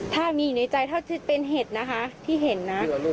ถ้ามีอยู่ในใจถ้าเป็นเห็ดนะคะที่เห็นนะ